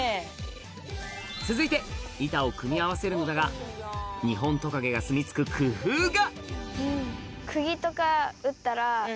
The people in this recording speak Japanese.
続いて板を組み合わせるのだがニホントカゲがすみ着く工夫が！